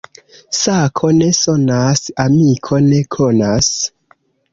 Sako ne sonas, amiko ne konas.